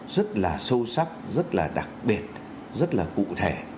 rất là sâu sắc rất là đặc biệt rất là cụ thể